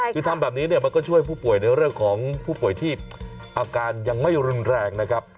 คือทำแบบนี้เนี่ยมันก็ช่วยผู้ป่วยในเรื่องของผู้ป่วยที่อาการยังไม่รุนแรงนะครับ